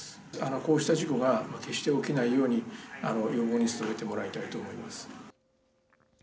こうした事故が決して起きないように予防に努めてもらいたいと思います。